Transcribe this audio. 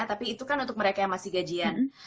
tapi itu kan untuk mereka yang masih gajian